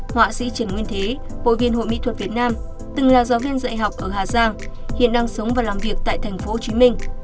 họa sĩ trần nguyên thế hội viên hội mỹ thuật việt nam từng là giáo viên dạy học ở hà giang hiện đang sống và làm việc tại tp hcm